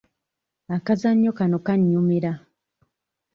Akazannyo kano kannyumira.